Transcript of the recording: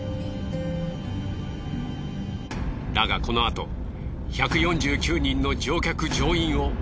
だがこのあと１４９人の乗客乗員を。